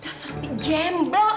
udah serupi gembel